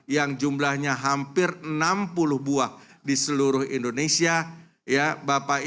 yang jumlahnya hampir enam puluh buah di seluruh indonesia